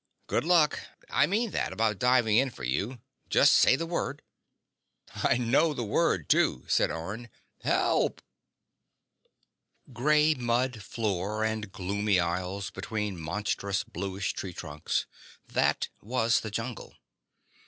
"Good luck. I meant that about diving in for you. Just say the word." "I know the word, too," said Orne. "HELP!" Gray mud floor and gloomy aisles between monstrous bluish tree trunks—that was the jungle.